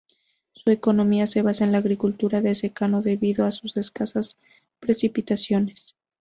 Su economía se basa en la agricultura de secano debido a sus escasas precipitaciones.